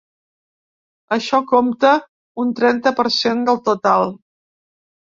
Això compta un trenta per cent del total.